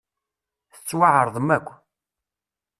Tettwaεrḍem akk.